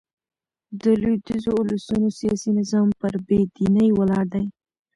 د لوېدیځو اولسونو سیاسي نظام پر بې دينۍ ولاړ دئ.